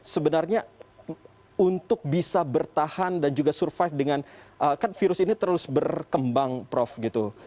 sebenarnya untuk bisa bertahan dan juga survive dengan kan virus ini terus berkembang prof gitu